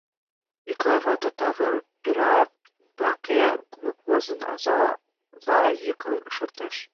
Миклай вате, таве пура ӱмбаке кумык возын, азала йӱкын шортеш.